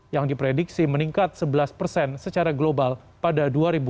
yang diprediksi meningkat sebelas persen secara global pada dua ribu dua puluh